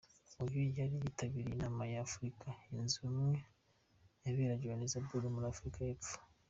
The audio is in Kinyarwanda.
Uyu yari yitabiraye inama ya Afurika yunze ubumwe yaberaga Johanesburg muri Afurika y’epfo.